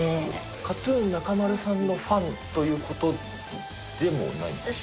ＫＡＴーＴＵＮ・中丸さんのファンということでもない？